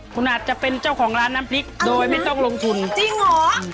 คุณอาจจะเป็นเจ้าของร้านน้ำพริกโดยไม่ต้องลงทุนจริงเหรอ